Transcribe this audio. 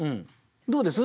どうです？